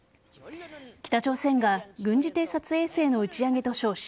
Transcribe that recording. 北朝鮮が軍事偵察衛星の打ち上げと称し